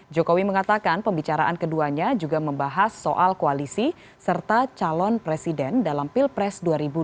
jokowi mengatakan pembicaraan keduanya juga membahas soal koalisi serta calon presiden dalam pilpres dua ribu dua puluh